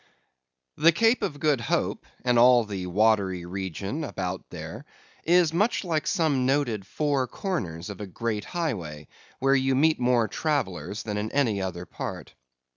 _) The Cape of Good Hope, and all the watery region round about there, is much like some noted four corners of a great highway, where you meet more travellers than in any other part.